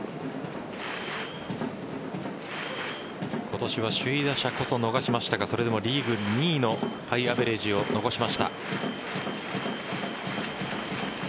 今年は首位打者こそ逃しましたがそれでもリーグ２位のハイアベレージを残しました。